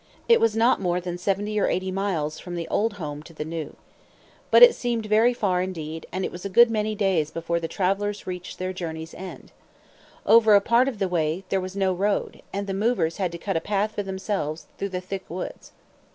It was not more than seventy or eighty miles from the old home to the new. But it seemed very far, indeed, and it was a good many days before the travelers reached their journey's end. Over a part of the way there was no road, and the movers had to cut a path for themselves through the thick woods.